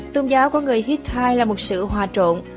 tôn giáo của người hittite là một sự hòa trộn